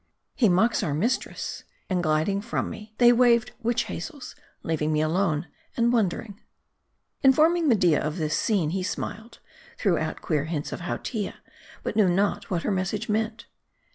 " He mocks our mistress," and gliding from me, they waved witch hazels, leaving me alone and wondering. Informing Media of this scene, he smiled ; threw out queer hints of Hautia ; but knew not what her message meant.